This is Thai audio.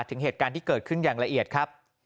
ถึงเหตุการณ์ที่เกิดขึ้นอย่างละเอียดครับ